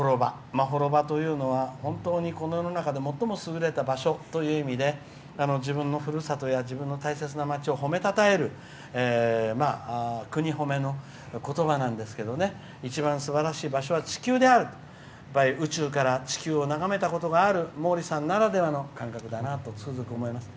まほろばというのはこの世の中で最も優れた場所という意味で自分のふるさとや自分の大切な町を褒めたたえる国褒めのことばなんですけど一番すばらしい場所は地球であると、宇宙から地球を眺めたことがある毛利さんならではの感覚だなとつくづく思います。